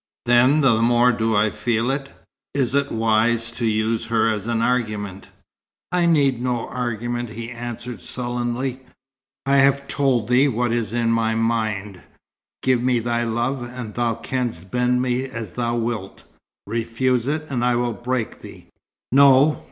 "Then the more do I feel it. Is it wise to use her as an argument?" "I need no argument," he answered, sullenly. "I have told thee what is in my mind. Give me thy love, and thou canst bend me as thou wilt. Refuse it, and I will break thee. No!